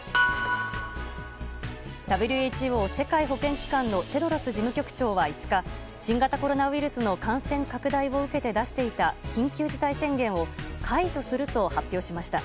ＷＨＯ・世界保健機関のテドロス事務局長は５日新型コロナウイルスの感染拡大を受けて出していた緊急事態宣言を解除すると発表しました。